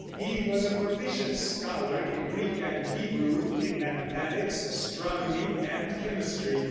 He was a proficient scholar in Greek and Hebrew, in mathematics, astronomy and chemistry.